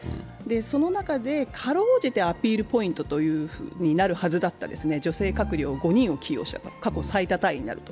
その中で辛うじてアピールポイントになるはずだった女性閣僚５人を起用したと、過去最多タイとなると。